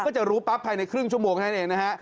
ก็จะรู้ปั๊บภายในครึ่งชั่วโมงเท่านั้นเองนะฮะ